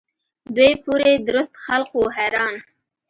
دوی پوري درست خلق وو حیران.